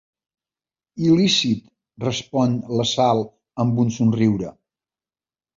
Il·lícit, respon la Sal amb un somriure.